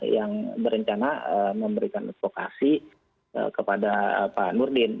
yang berencana memberikan advokasi kepada pak nurdin